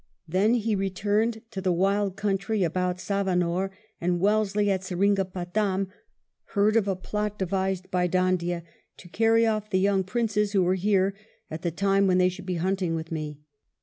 Then he returned to the wild country about Savanore, and Wellesley at Seringapatam heard of a plot devised by Dhoondiah to " carry off the young princes who are here, at the time when they should be hunting with me."